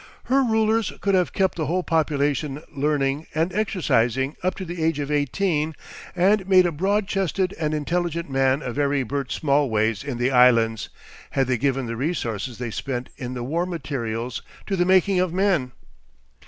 Her rulers could have kept the whole population learning and exercising up to the age of eighteen and made a broad chested and intelligent man of every Bert Smallways in the islands, had they given the resources they spent in war material to the making of men.